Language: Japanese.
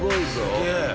すげえ！